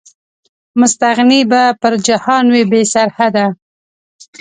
مستغني به پر جهان وي، بې سرحده